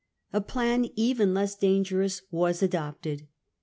A plan even less dangerous was adopted.